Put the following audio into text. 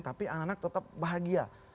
tapi anak anak tetap bahagia